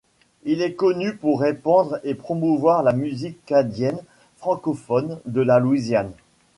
Il est connu pour répandre et promouvoir la musique cadienne francophone de la Louisiane.